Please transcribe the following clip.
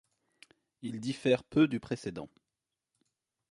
Il diffère peu du précédent.